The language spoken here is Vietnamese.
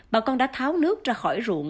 bà con đã tháo nước ra khỏi ruộng